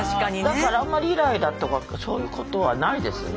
だからあんまりイライラとかそういうことはないですね。